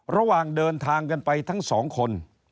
ระหว่างเดินทางกันไปทั้งสองคน